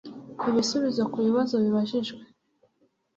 ibisubizo ku bibazo bibajijwe